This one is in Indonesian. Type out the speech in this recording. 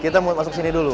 kita mau masuk sini dulu